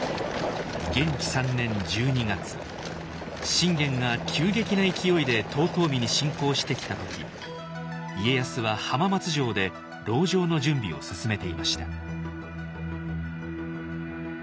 信玄が急激な勢いで遠江に侵攻してきた時家康は浜松城で籠城の準備を進めていました。